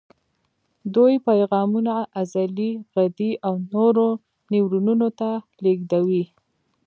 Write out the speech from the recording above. دوی پیغامونه عضلې، غدې او نورو نیورونونو ته لېږدوي.